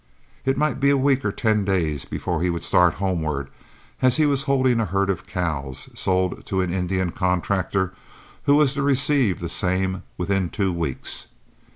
It might be a week or ten days before he would start homeward, as he was holding a herd of cows, sold to an Indian contractor, who was to receive the same within two weeks.